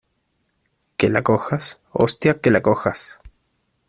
¡ que la cojas! ¡ hostia, que la cojas !